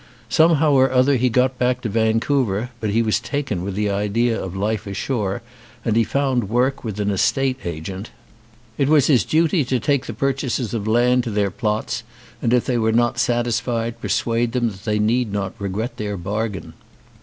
Somehow or other he got back to Vancouver, but he was taken with the idea of life ashore, and he found work with an estate agent. It was his duty to take the purchasers of 216 THE SEA DOG land to their plots and if they were not satisfied persuade them that they need not regret their bargain.